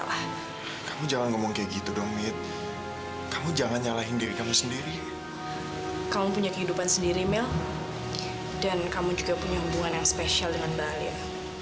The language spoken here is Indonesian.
dan kamu juga punya hubungan yang spesial dengan mbak alia